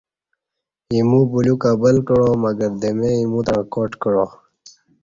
ایمو بلیوک ابل کعا مگر دمیۓ ایموتݩع کاٹ کعا۔